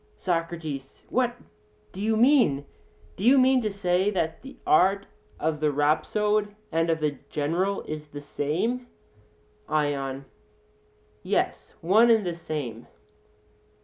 SOCRATES: What do you mean? Do you mean to say that the art of the rhapsode and of the general is the same? ION: Yes, one and the same.